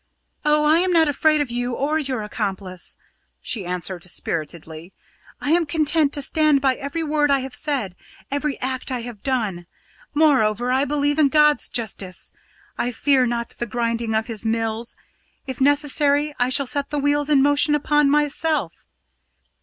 "Oh, I am not afraid of you or your accomplice," she answered spiritedly. "I am content to stand by every word I have said, every act I have done. Moreover, I believe in God's justice. I fear not the grinding of His mills; if necessary I shall set the wheels in motion myself.